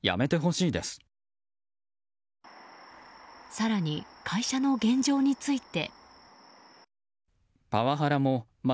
更に、会社の現状について。